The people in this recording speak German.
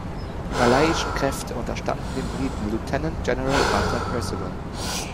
Die malayischen Kräfte unterstanden dem Briten Lieutenant General Arthur Percival.